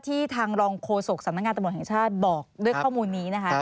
ทางรองโฆษกสำนักงานตำรวจแห่งชาติบอกด้วยข้อมูลนี้นะคะ